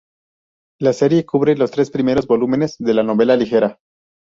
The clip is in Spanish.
La serie cubre los tres primeros volúmenes de la novela ligera.